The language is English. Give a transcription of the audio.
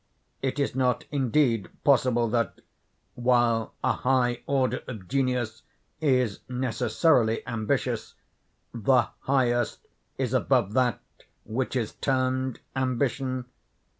Is it not indeed, possible that, while a high order of genius is necessarily ambitious, the highest is above that which is termed ambition?